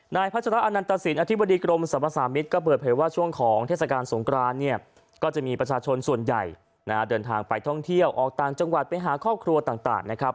พัชระอนันตสินอธิบดีกรมสรรพสามิตรก็เปิดเผยว่าช่วงของเทศกาลสงครานเนี่ยก็จะมีประชาชนส่วนใหญ่เดินทางไปท่องเที่ยวออกต่างจังหวัดไปหาครอบครัวต่างนะครับ